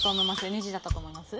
ＮＧだったと思います？